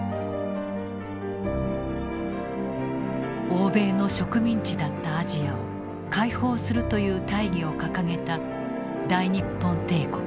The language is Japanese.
欧米の植民地だったアジアを解放するという大義を掲げた大日本帝国。